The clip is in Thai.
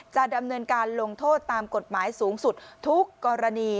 จะดำเนินการลงโทษตามกฎหมายสูงสุดทุกกรณี